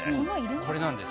これなんです。